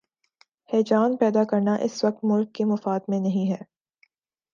ہیجان پیدا کرنا اس وقت ملک کے مفاد میں نہیں ہے۔